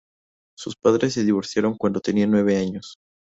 Sus padres se divorciaron cuando tenía nueve años.